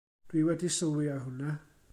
Dw i wedi sylwi ar hwnna.